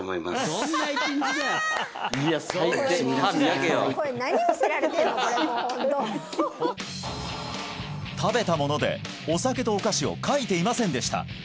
おやすみなさい食べたものでお酒とお菓子を書いていませんでした